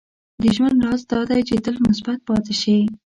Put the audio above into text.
• د ژوند راز دا دی چې تل مثبت پاتې شې.